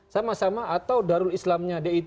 sama sama atau darul islamnya di